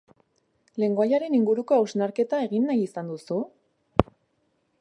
Lengoaiaren inguruko hausnarketa egin nahi izan duzu?